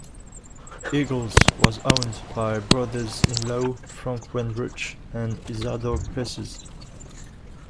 Eagle's was owned by brothers-in-law, Frank Weindruch and Isadore Pesses.